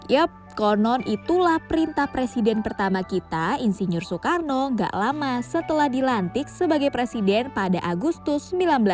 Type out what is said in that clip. yap konon itulah perintah presiden pertama kita insinyur soekarno gak lama setelah dilantik sebagai presiden pada agustus seribu sembilan ratus empat puluh